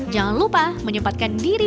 jangan lupa menyempatkan diri